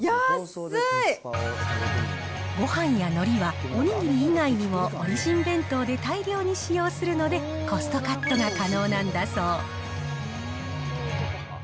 ごはんやのりは、おにぎり以外にもオリジン弁当で大量に使用するので、コストカットが可能なんだそう。